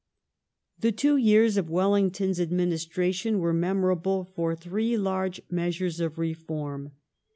The two years of Wellington's administration were memorable Repeal oi for three large measures of reform.